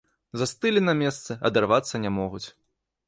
Застылі на месцы, адарвацца не могуць.